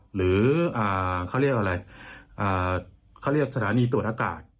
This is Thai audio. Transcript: หรือเขาเรียกอะไรเขาเรียกสถานีตรวจอากาศ